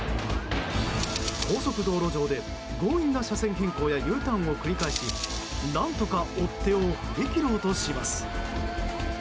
高速道路上で強引な車線変更やＵターンを繰り返し何とか追っ手を振り切ろうとします。